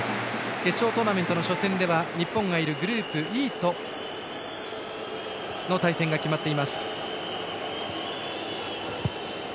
決勝トーナメントの初戦では日本がいるグループＥとの対戦が決まっています。